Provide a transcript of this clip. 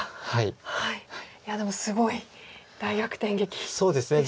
いやでもすごい大逆転劇でしたね。